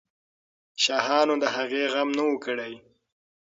شاهانو د هغې غم نه وو کړی.